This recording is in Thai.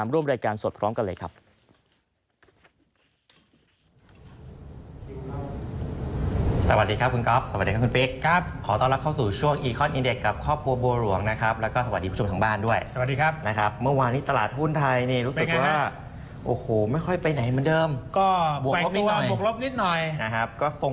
ร่วมรายการสดพร้อมกันเลยครับ